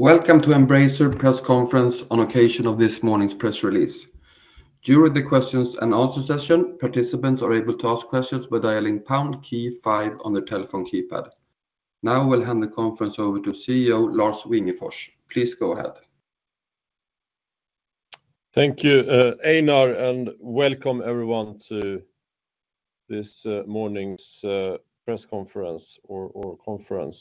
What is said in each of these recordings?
Welcome to Embracer Press Conference on occasion of this morning's press release. During the questions and answers session, participants are able to ask questions by dialing pound key 5 on their telephone keypad. Now we'll hand the conference over to CEO Lars Wingefors. Please go ahead. Thank you, Einar, and welcome everyone to this morning's press conference or conference.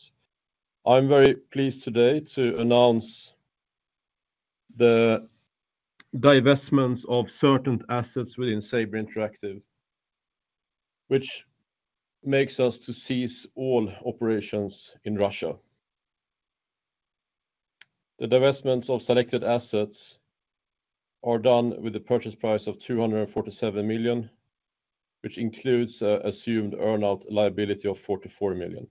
I'm very pleased today to announce the divestments of certain assets within Saber Interactive, which makes us to cease all operations in Russia. The divestments of selected assets are done with a purchase price of 247,000,000, which includes an assumed earnout liability of 44,000,000.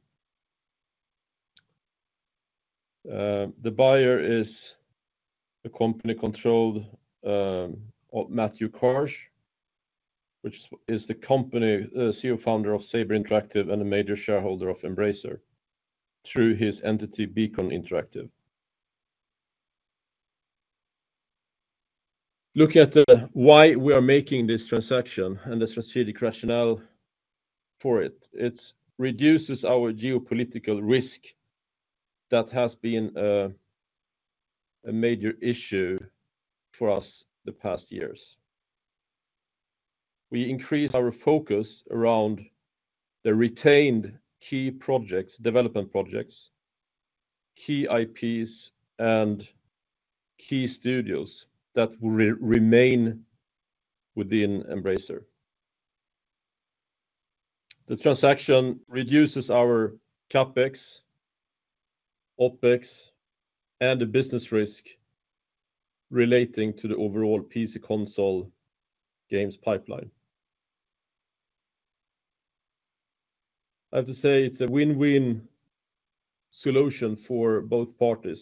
The buyer is a company controlled by Matthew Karch, which is the co-CEO founder of Saber Interactive and a major shareholder of Embracer through his entity Beacon Interactive. Looking at why we are making this transaction and the strategic rationale for it, it reduces our geopolitical risk that has been a major issue for us the past years. We increase our focus around the retained key projects, development projects, key IPs, and key studios that will remain within Embracer. The transaction reduces our CapEx, OpEx, and the business risk relating to the overall PC console games pipeline. I have to say it's a win-win solution for both parties,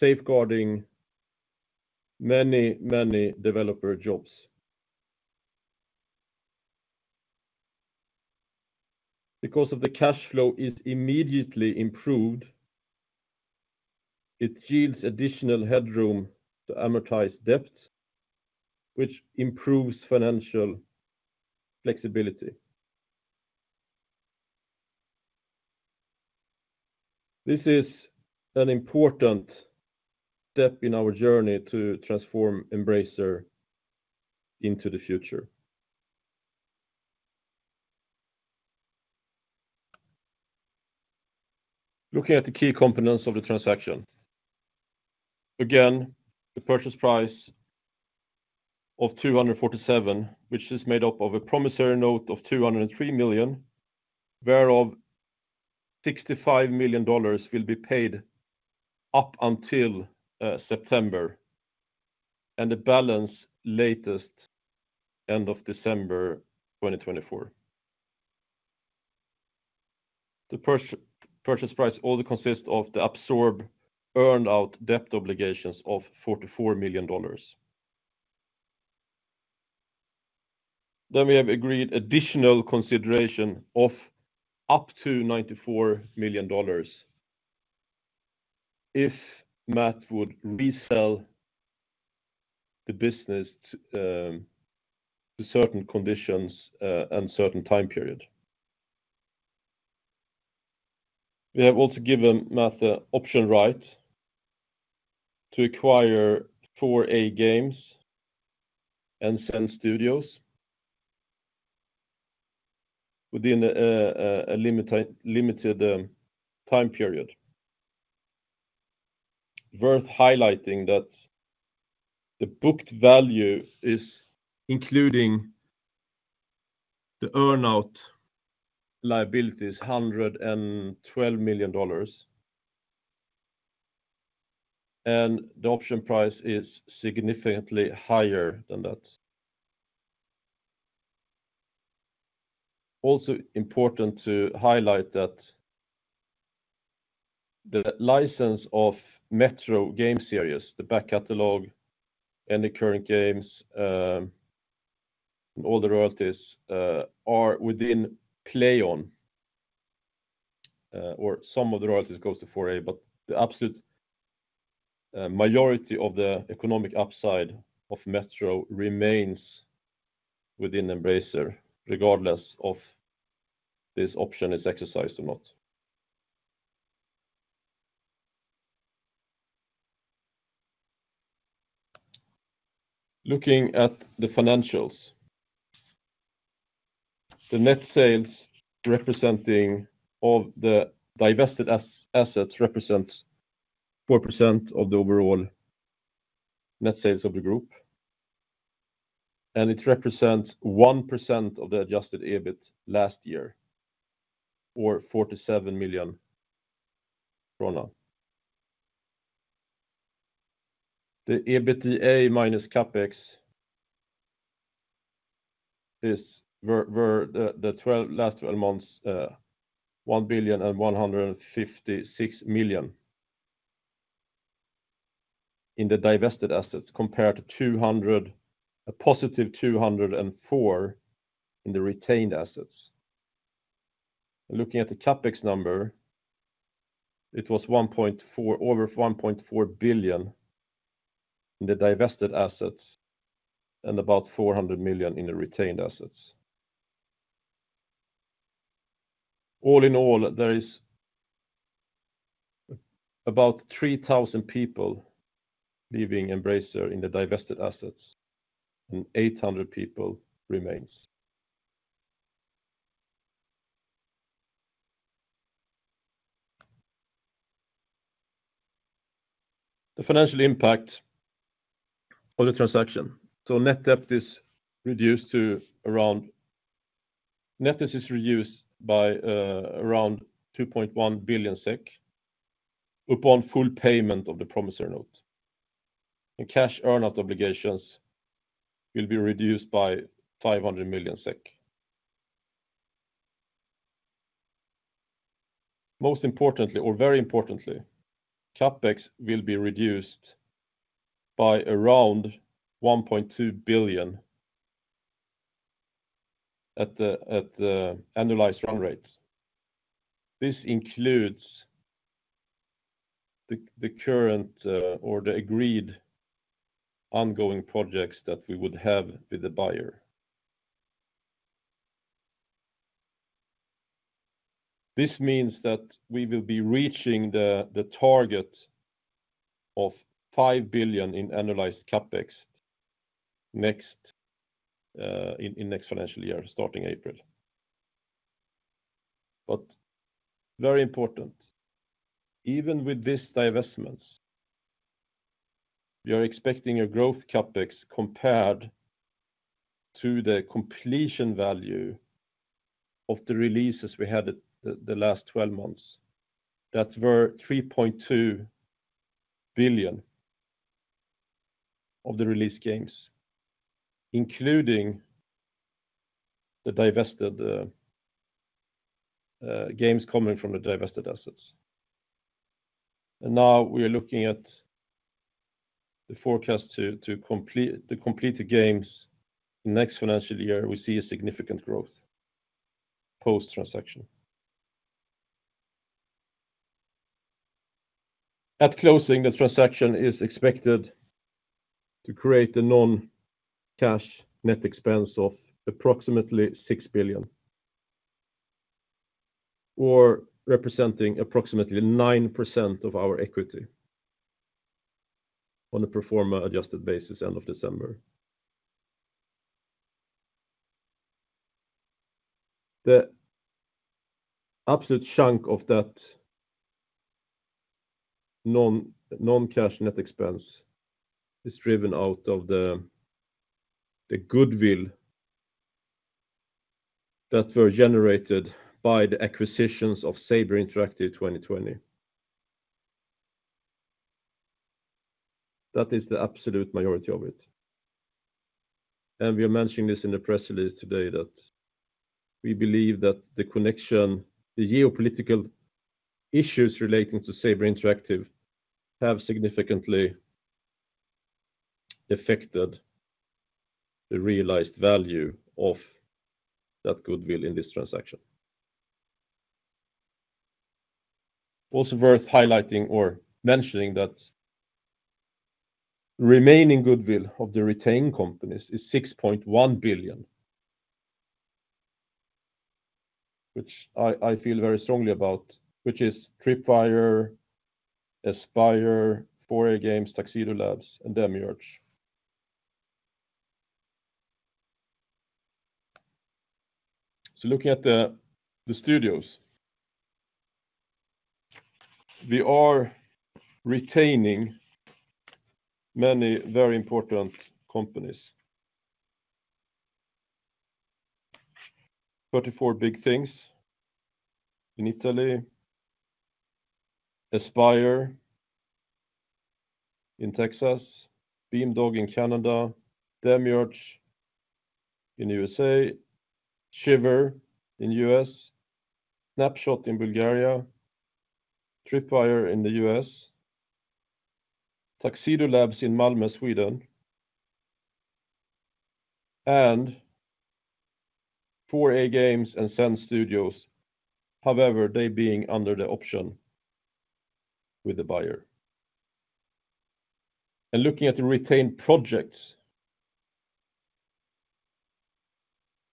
safeguarding many, many developer jobs. Because the cash flow is immediately improved, it yields additional headroom to amortize debts, which improves financial flexibility. This is an important step in our journey to transform Embracer into the future. Looking at the key components of the transaction. Again, the purchase price of 247,000,000, which is made up of a promissory note of 203,000,000, whereof $65,000,000 will be paid up until September and the balance latest end of December 2024. The purchase price also consists of the absorb earnout debt obligations of $44,000,000. Then we have agreed additional consideration of up to $94,000,000 if Matt would resell the business to certain conditions, and certain time period. We have also given Matt the option right to acquire 4A Games and Zen Studios within a limited time period. Worth highlighting that the booked value is including the earnout liabilities $112,000,000, and the option price is significantly higher than that. Also important to highlight that the license of Metro game series, the back catalog, any current games, and all the royalties, are within PLAION, or some of the royalties go to 4A, but the absolute majority of the economic upside of Metro remains within Embracer regardless of this option is exercised or not. Looking at the financials. The net sales representing of the divested assets represents 4% of the overall net sales of the group, and it represents 1% of the adjusted EBIT last year, or SEK 47,000,000. The EBITDA minus Capex is over the last 12 months, 1,156,000,000 in the divested assets compared to 200,000,000, a positive 204,000,000 in the retained assets. Looking at the Capex number, it was over 1,400,000,000 in the divested assets and about 400,000,000 in the retained assets. All in all, there is about 3,000 people leaving Embracer in the divested assets, and 800 people remains. The financial impact of the transaction. So net debt is reduced by around 2,100,000,000 SEK upon full payment of the promissory note, and cash earnout obligations will be reduced by 500,000,000. Most importantly, or very importantly, Capex will be reduced by around 1,200,000,000 at the annualized run rates. This includes the current, or the agreed ongoing projects that we would have with the buyer. This means that we will be reaching the target of 5,000,000,000 in annualized CapEx next financial year, starting April. But very important, even with these divestments, we are expecting a growth CapEx compared to the completion value of the releases we had the last 12 months. That's over 3,200,000,000 of the released games, including the divested games coming from the divested assets. And now we are looking at the forecast to complete the completed games in next financial year. We see a significant growth post-transaction. At closing, the transaction is expected to create a non-cash net expense of approximately 6,000,000,000, or representing approximately 9% of our equity on the pro forma adjusted basis end of December. The absolute chunk of that non-cash net expense is driven out of the goodwill that were generated by the acquisitions of Saber Interactive 2020. That is the absolute majority of it. We are mentioning this in the press release today that we believe that the connection the geopolitical issues relating to Saber Interactive have significantly affected the realized value of that goodwill in this transaction. Also worth highlighting or mentioning that remaining goodwill of the retained companies is 6,190,000,000, which I, I feel very strongly about, which is Tripwire, Aspyr, 4A Games, Tuxedo Labs, and Demiurge. So looking at the, the studios. We are retaining many very important companies. 34BigThings in Italy. Aspyr in Texas. Beamdog in Canada. Demiurge in the USA. Shiver in the US. Snapshot in Bulgaria. Tripwire in the US. Tuxedo Labs in Malmö, Sweden. And 4A Games and Zen Studios, however, they being under the option with the buyer. And looking at the retained projects.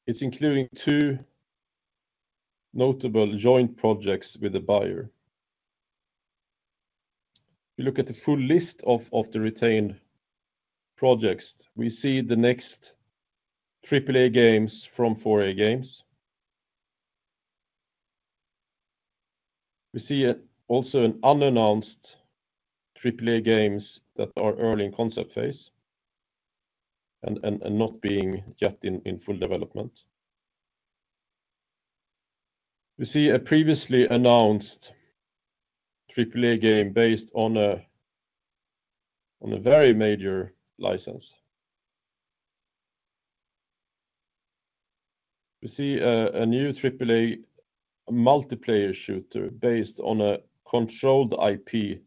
It's including two notable joint projects with the buyer. If you look at the full list of the retained projects, we see the next AAA games from 4A Games. We see also an unannounced AAA games that are early in concept phase and not being yet in full development. We see a previously announced AAA game based on a very major license. We see a new AAA multiplayer shooter based on a controlled IP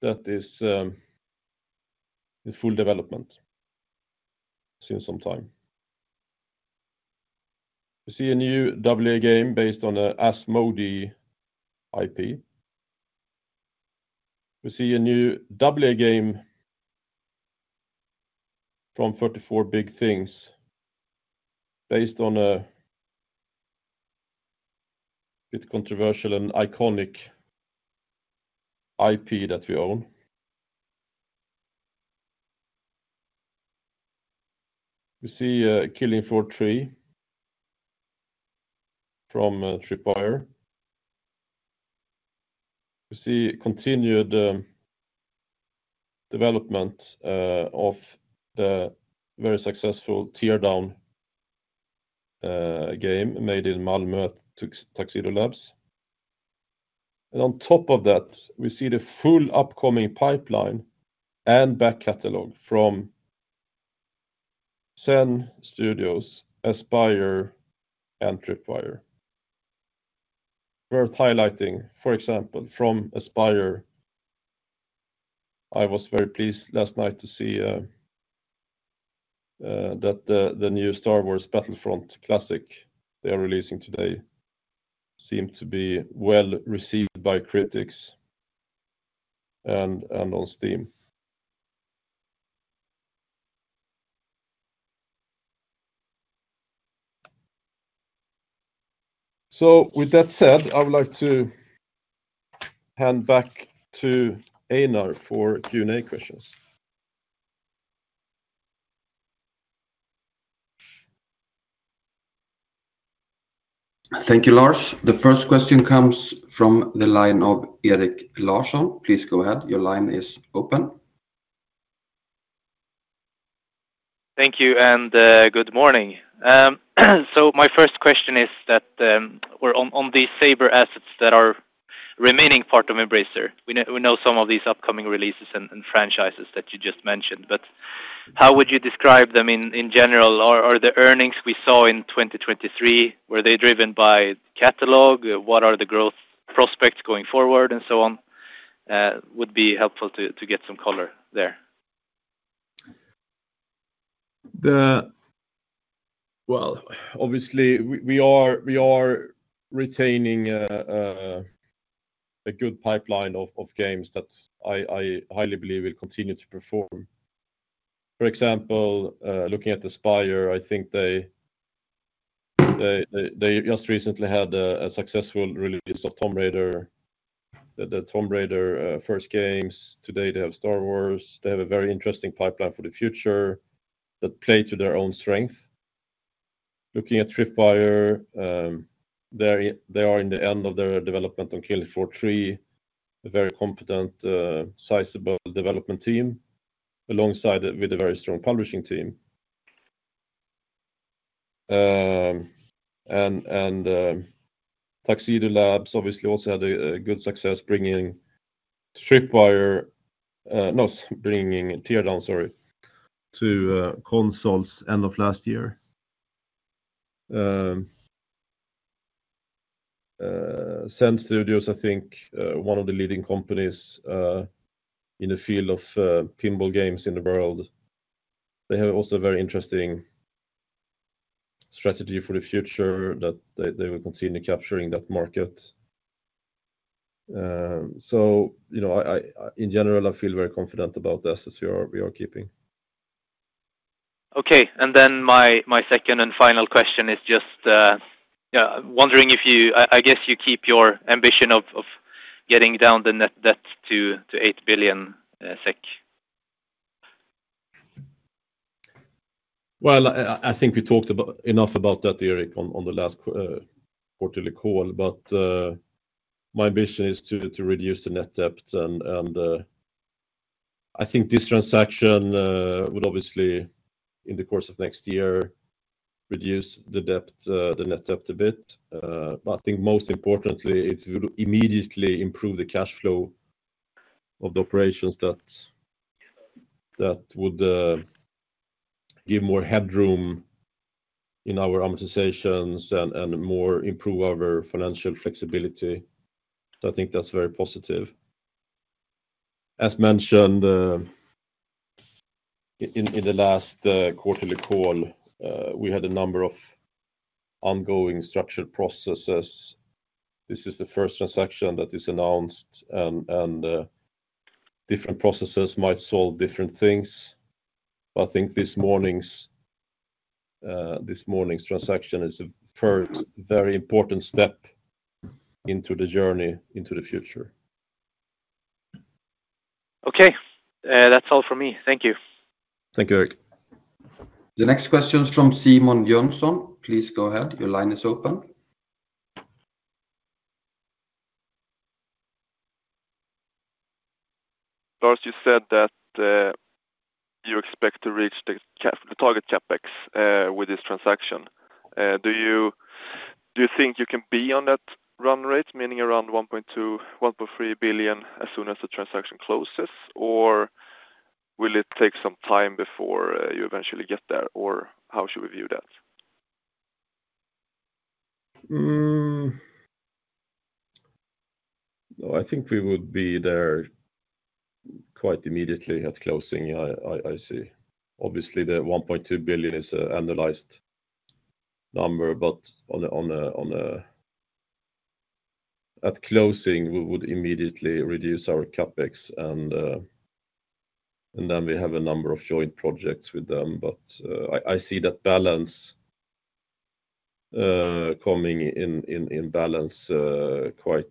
that is in full development since some time. We see a new AAA game based on an Asmodee IP. We see a new AAA game from 34BigThings based on a bit controversial and iconic IP that we own. We see Killing Floor 3 from Tripwire. We see continued development of the very successful Teardown game made in Malmö Tuxedo Labs. On top of that, we see the full upcoming pipeline and back catalog from Zen Studios, Aspyr and Tripwire. Worth highlighting, for example, from Aspyr, I was very pleased last night to see that the new Star Wars Battlefront Classic they are releasing today seemed to be well received by critics and on Steam. So with that said, I would like to hand back to Einar for Q&A questions. Thank you, Lars. The first question comes from the line of Erik Larsson. Please go ahead. Your line is open. Thank you, and good morning. So my first question is on these Saber assets that are remaining part of Embracer. We know some of these upcoming releases and franchises that you just mentioned, but how would you describe them in general? Are the earnings we saw in 2023 driven by catalog? What are the growth prospects going forward and so on? It would be helpful to get some color there. Well, obviously, we are retaining a good pipeline of games that I highly believe will continue to perform. For example, looking at Aspyr, I think they just recently had a successful release of Tomb Raider, the Tomb Raider first games. Today, they have Star Wars. They have a very interesting pipeline for the future that plays to their own strength. Looking at Tripwire, they are in the end of their development on Killing Floor 3, a very competent, sizable development team alongside with a very strong publishing team. Tuxedo Labs obviously also had a good success bringing Teardown, sorry, to consoles, end of last year. Zen Studios, I think, one of the leading companies in the field of pinball games in the world. They have also a very interesting strategy for the future that they will continue capturing that market. So, you know, in general, I feel very confident about the assets we are keeping. Okay. And then my second and final question is just, yeah, wondering if you, I guess, keep your ambition of getting down the net debt to 8,000,000,000 SEK. Well, I think we talked about enough about that, Erik, on the last quarterly call, but my ambition is to reduce the net debt and I think this transaction would obviously, in the course of next year, reduce the debt, the net debt a bit. But I think most importantly, it would immediately improve the cash flow of the operations that would give more headroom in our amortizations and more improve our financial flexibility. So I think that's very positive. As mentioned, in the last quarterly call, we had a number of ongoing structured processes. This is the first transaction that is announced, and different processes might solve different things. But I think this morning's transaction is the first very important step into the journey into the future. Okay. That's all from me. Thank you. Thank you, Erik. The next question's from Simon Jönsson. Please go ahead. Your line is open. Lars, you said that you expect to reach the cap, the target CapEx, with this transaction. Do you think you can be on that run rate, meaning around 1,200,000,000-1,300,000,000 as soon as the transaction closes, or will it take some time before you eventually get there, or how should we view that? No, I think we would be there quite immediately at closing. I see. Obviously, the 1,200,000,000 is an annualized number, but at closing, we would immediately reduce our CapEx, and then we have a number of joint projects with them. But I see that balance coming in balance quite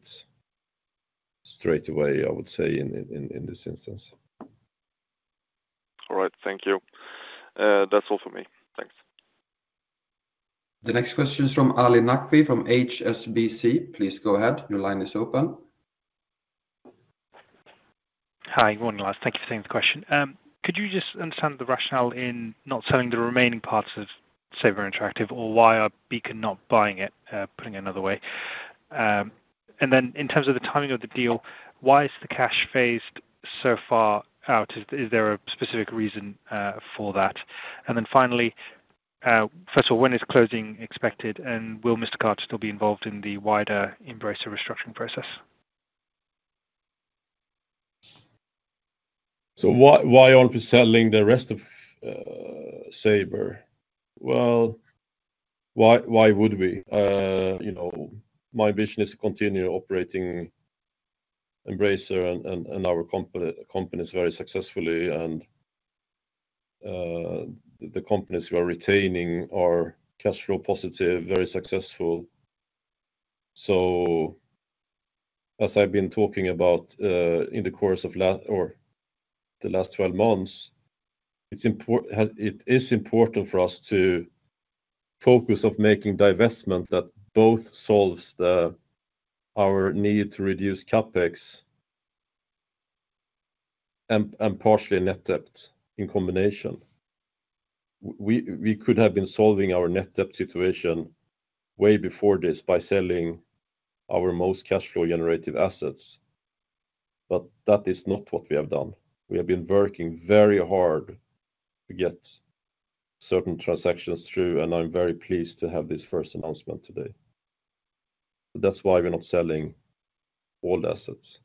straight away, I would say, in this instance. All right. Thank you. That's all from me. Thanks. The next question's from Ali Naqvi from HSBC. Please go ahead. Your line is open. Hi. Good morning, Lars. Thank you for sending the question. Could you just understand the rationale in not selling the remaining parts of Saber Interactive, or why are Beacon not buying it, putting it another way? And then in terms of the timing of the deal, why is the cash phased so far out? Is there a specific reason for that? And then finally, first of all, when is closing expected, and will Mr. Karch still be involved in the wider Embracer restructuring process? So why aren't we selling the rest of Saber? Well, why would we? You know, my ambition is to continue operating Embracer and our companies very successfully, and the companies we are retaining are cash flow positive, very successful. So as I've been talking about, in the course of the last 12 months, it is important for us to focus on making divestment that both solves our need to reduce Capex and partially net debt in combination. We could have been solving our net debt situation way before this by selling our most cash flow generative assets, but that is not what we have done. We have been working very hard to get certain transactions through, and I'm very pleased to have this first announcement today. That's why we're not selling all the assets.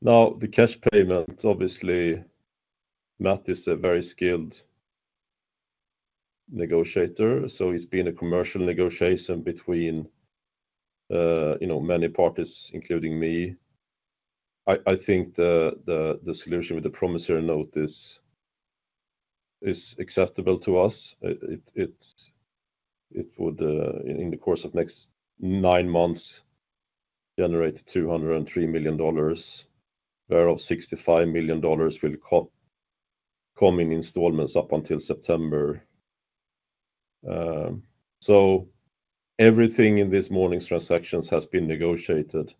Now, the cash payment, obviously, Matt is a very skilled negotiator, so it's been a commercial negotiation between, you know, many parties, including me. I think the solution with the promissory note is acceptable to us. It would, in the course of next nine months, generate $203,000,000, whereof $65,000,000 will come in installments up until September. So everything in this morning's transactions has been negotiated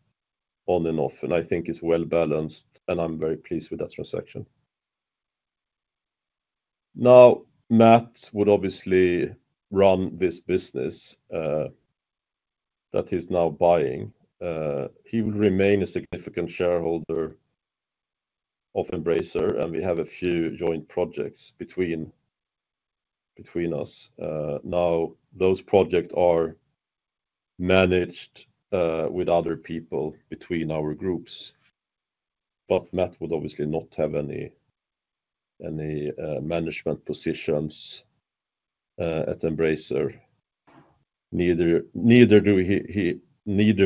on and off, and I think it's well balanced, and I'm very pleased with that transaction. Now, Matt would obviously run this business that he's now buying. He would remain a significant shareholder of Embracer, and we have a few joint projects between us. Now, those projects are managed with other people between our groups, but Matt would obviously not have any management positions at Embracer. Neither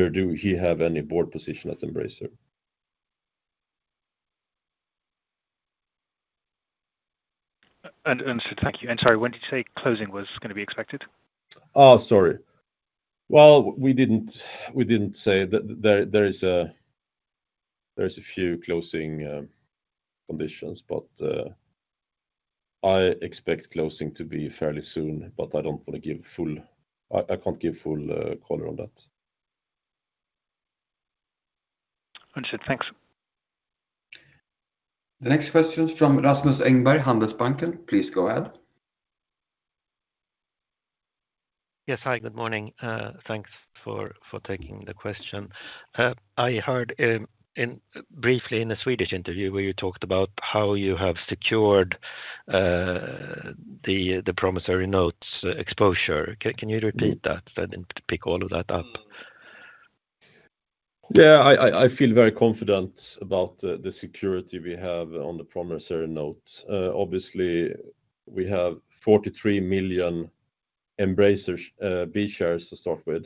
does he have any board position at Embracer. And so thank you. And sorry, when did you say closing was gonna be expected? Oh, sorry. Well, we didn't say. There are a few closing conditions, but I expect closing to be fairly soon, but I don't wanna give full, I can't give full color on that. Understood. Thanks. The next question's from Rasmus Engberg, Handelsbanken. Please go ahead. Yes. Hi. Good morning. Thanks for taking the question. I heard briefly in a Swedish interview where you talked about how you have secured the promissory notes exposure. Can you repeat that? Then pick all of that up. Yeah. I feel very confident about the security we have on the promissory notes. Obviously, we have 43,000,000 Embracer B-shares to start with.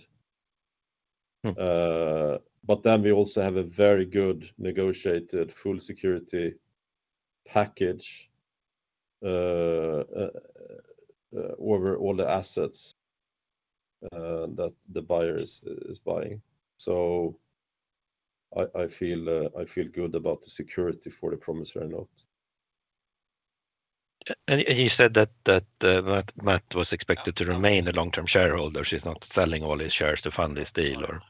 But then we also have a very good negotiated full security package over all the assets that the buyer is buying. So I feel good about the security for the promissory note. And you said that Matt was expected to remain a long-term shareholder. He's not selling all his shares to fund this deal, or.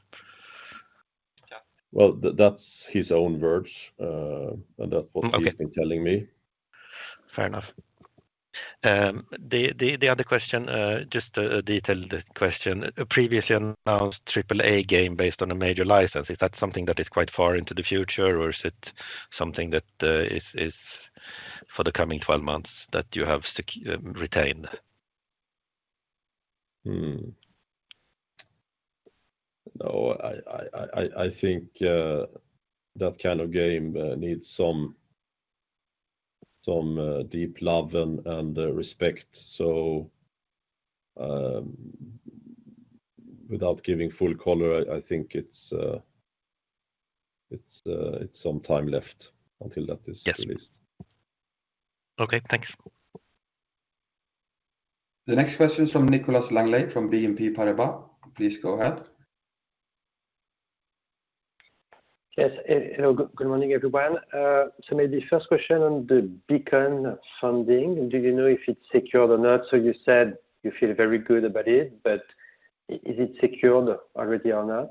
Yeah. Well, that's his own words, and that's what he's been telling me. Okay. Fair enough. The other question, just a detailed question, a previously announced AAA game based on a major license. Is that something that is quite far into the future, or is it something that is for the coming 12 months that you have sec retained? No, I think that kind of game needs some deep love and respect. So, without giving full color, I think it's some time left until that is released. Yes. Okay. Thanks. The next question's from Nicolas Langlet from BNP Paribas. Please go ahead. Yes. Hello. Good morning, everyone. Maybe first question on the Beacon funding. Do you know if it's secured or not? You said you feel very good about it, but is it secured already or not?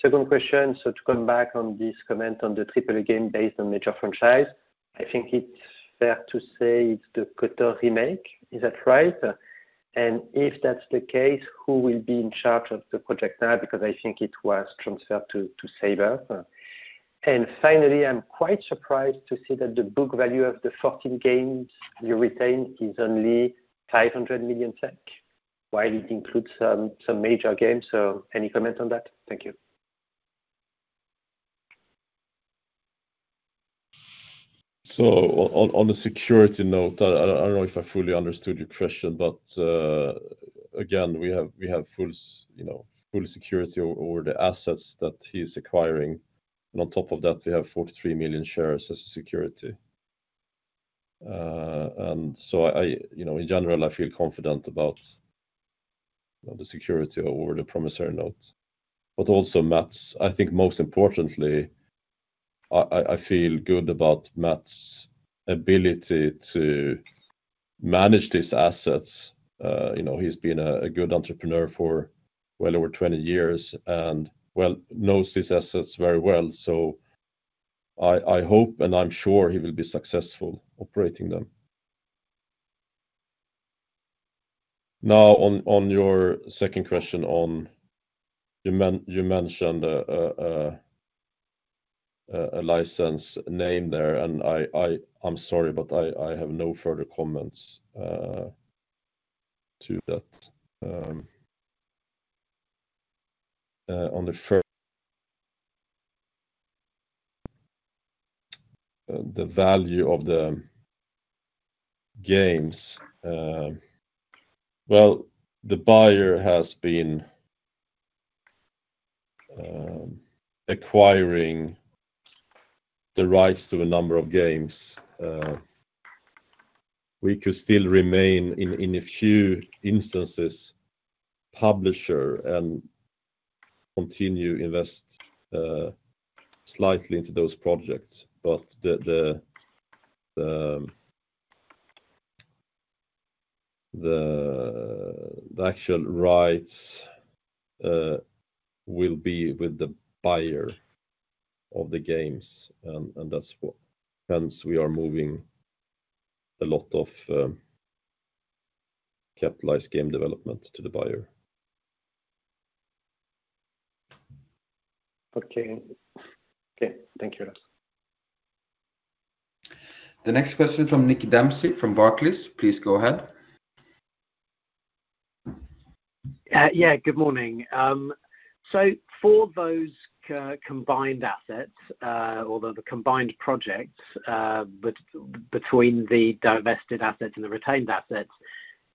Second question, to come back on this comment on the AAA game based on major franchise, I think it's fair to say it's the KOTOR remake. Is that right? And if that's the case, who will be in charge of the project now? Because I think it was transferred to Saber. And finally, I'm quite surprised to see that the book value of the 14 games you retained is only 500,000,000 SEK, while it includes some major games. Any comment on that? Thank you. So on the security note, I don't know if I fully understood your question, but again, we have full, you know, full security over the assets that he's acquiring. And on top of that, we have 43,000,000 shares as security. And so I, you know, in general, I feel confident about, you know, the security over the promissory note. But also, Matt, I think most importantly, I feel good about Matt's ability to manage these assets. You know, he's been a good entrepreneur for well over 20 years and well knows these assets very well. So I hope and I'm sure he will be successful operating them. Now, on your second question, you mentioned a license name there, and I'm sorry, but I have no further comments to that. On the first, the value of the games, well, the buyer has been acquiring the rights to a number of games. We could still remain, in a few instances, publisher and continue invest slightly into those projects, but the actual rights will be with the buyer of the games, and that's what hence we are moving a lot of capitalized game development to the buyer. Okay. Okay. Thank you, Lars. The next question's from Nick Dempsey from Barclays. Please go ahead. Yeah. Good morning. So for those combined assets, or the combined projects, but between the divested assets and the retained assets,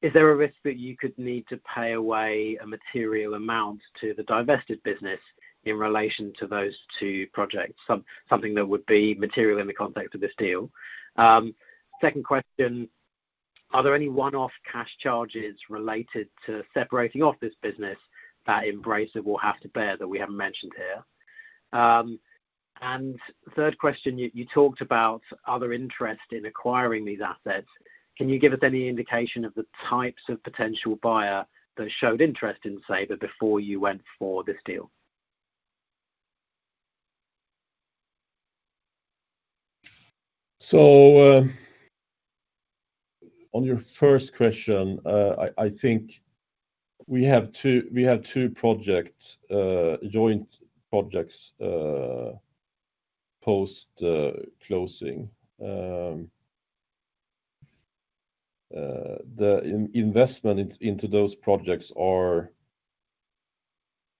is there a risk that you could need to pay away a material amount to the divested business in relation to those two projects, something that would be material in the context of this deal? Second question, are there any one-off cash charges related to separating off this business that Embracer will have to bear that we haven't mentioned here? And third question, you talked about other interest in acquiring these assets. Can you give us any indication of the types of potential buyer that showed interest in Saber before you went for this deal? So, on your first question, I think we have two projects, joint projects, post closing. The investment into those projects are,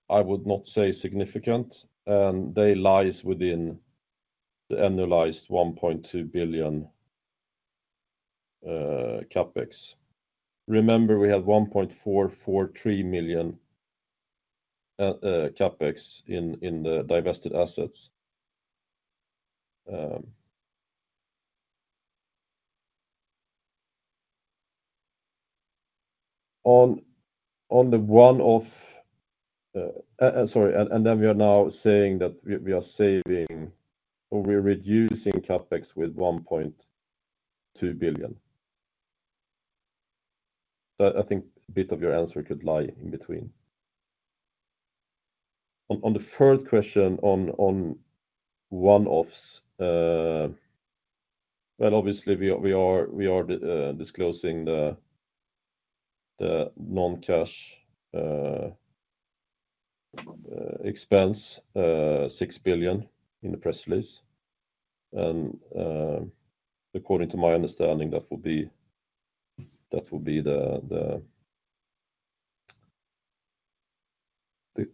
I would not say, significant, and they lie within the annualized 1,200,000,000 CapEx. Remember, we had 1,443,000 CapEx in the divested assets. On the one-off, sorry, and then we are now saying that we are saving or we're reducing CapEx with 1,200,000,000. So I think a bit of your answer could lie in between. On the third question, on one-offs, well, obviously, we are disclosing the non-cash expense, 6,000,000,000 in the press release. And, according to my understanding, that will be the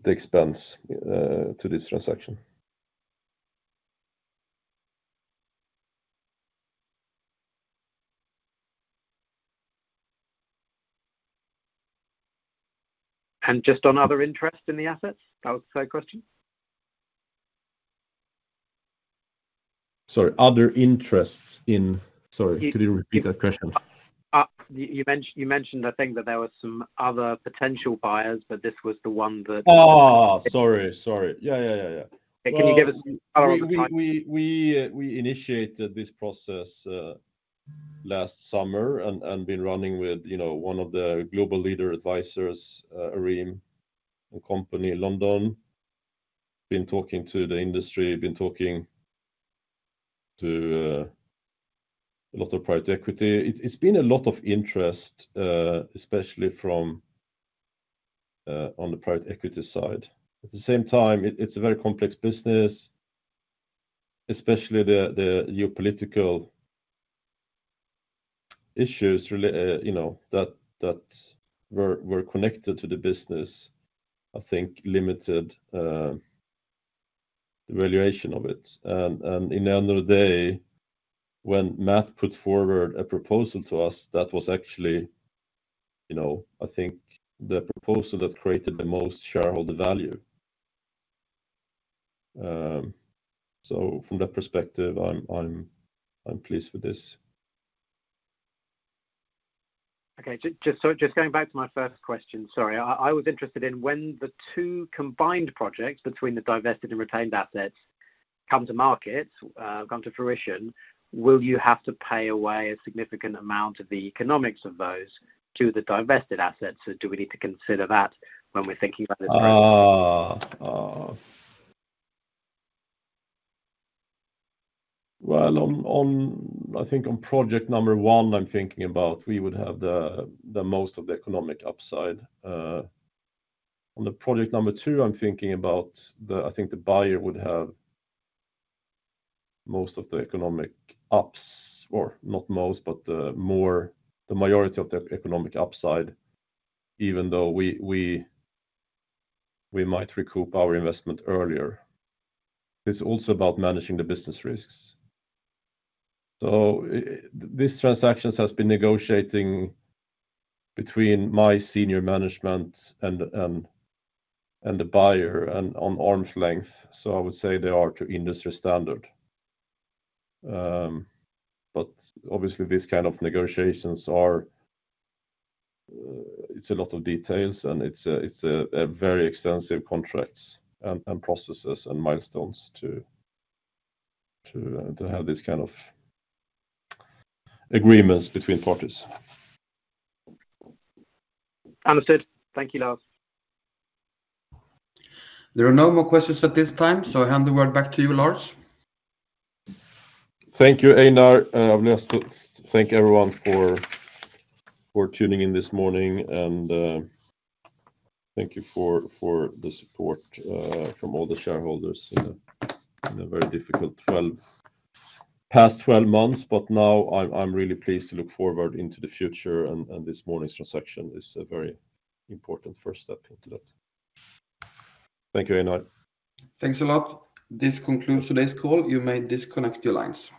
expense to this transaction. And just on other interest in the assets? That was the third question. Sorry. Other interests in sorry. Could you repeat that question? You mentioned, I think, that there were some other potential buyers, but this was the one that. Oh, sorry. Sorry. Yeah, yeah, yeah, yeah. Can you give us some color on the time? We initiated this process last summer and been running with, you know, one of the global leading advisors, Aream & Co. in London. Been talking to the industry. Been talking to a lot of private equity. It's been a lot of interest, especially from on the private equity side. At the same time, it's a very complex business, especially the geopolitical issues related, you know, that were connected to the business, I think, limited the valuation of it. And in the end of the day, when Matt put forward a proposal to us, that was actually, you know, I think, the proposal that created the most shareholder value. So from that perspective, I'm pleased with this. Okay. Just going back to my first question. Sorry. I was interested in when the two combined projects between the divested and retained assets come to market, come to fruition, will you have to pay away a significant amount of the economics of those to the divested assets? So do we need to consider that when we're thinking about this project? Oh. Well, I think on project number one, I'm thinking about we would have the most of the economic upside. On the project number two, I'm thinking about the—I think—the buyer would have most of the economic upside—or not most, but more—the majority of the economic upside, even though we might recoup our investment earlier. It's also about managing the business risks. So this transaction has been negotiated between my senior management and the buyer at arm's length. So I would say they are to industry standard. But obviously, these kind of negotiations are—it's a lot of details, and it's a very extensive contract and processes and milestones to have these kind of agreements between parties. Understood. Thank you, Lars. There are no more questions at this time, so I hand the word back to you, Lars. Thank you, Einar. I've learned to thank everyone for tuning in this morning, and thank you for the support from all the shareholders in a very difficult past 12 months. But now, I'm really pleased to look forward into the future, and this morning's transaction is a very important first step into that. Thank you, Einar. Thanks a lot. This concludes today's call. You may disconnect your lines.